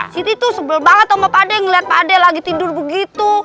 siti tuh sebel banget sama pade ngeliat pade lagi tidur begitu